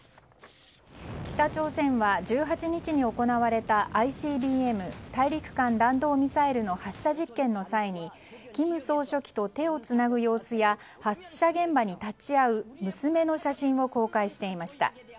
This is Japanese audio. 北朝鮮は１８日に行われたＩＣＢＭ・大陸間弾道ミサイルの発射実験の際に金総書記と手をつなぐ様子や発射現場に立ち会う娘の写真を公開していました。